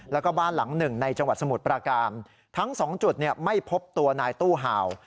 แล้วก็บ้านหลัง๑ในจังหวัดสมุทรประการทั้ง๒จุดเนี่ยไม่พบตัวนายตู้ห่าว